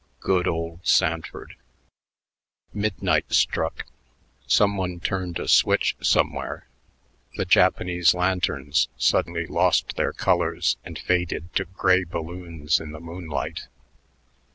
Good old Sanford.... Midnight struck. Some one turned a switch somewhere. The Japanese lanterns suddenly lost their colors and faded to gray balloons in the moonlight.